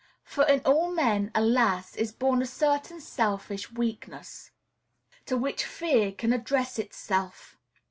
For in all men, alas! is born a certain selfish weakness, to which fear can address itself.